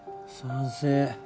賛成。